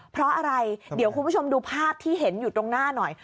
เพราะอะไรเดี๋ยวคุณผู้ชมดูภาพที่เห็นอยู่ตรงหน้าหน่อย